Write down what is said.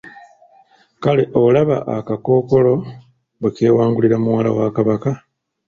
Kale olaba akakookolo bwe kewangulira muwala wa kabaka.